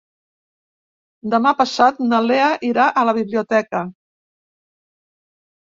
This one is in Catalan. Demà passat na Lea irà a la biblioteca.